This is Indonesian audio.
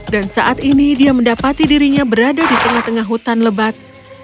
dan saat ini dia mendapati dirinya berada di tengah tengah hutan lebat